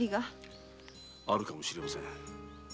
あるかもしれません。